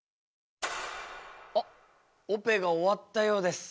あっオペが終わったようです。